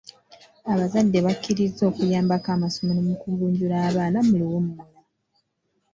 Abazadde bakkirizza okuyambako amasomero mu kugunjula abaana mu luwummula.